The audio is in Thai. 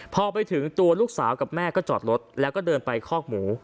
พอไปถึงตัวลูกสาวกับแม่ก็จอดรถแล้วก็เดินไปคอกหมู